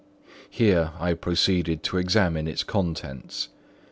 Here I proceeded to examine its contents.